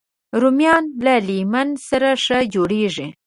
رومیان له لیمن سره ښه جوړېږي